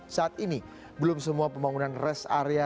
saat ini belum semua pembangunan rest area